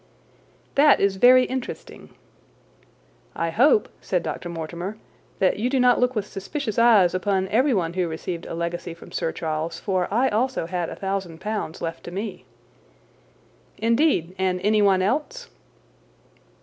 "That is very interesting." "I hope," said Dr. Mortimer, "that you do not look with suspicious eyes upon everyone who received a legacy from Sir Charles, for I also had a thousand pounds left to me." "Indeed! And anyone else?"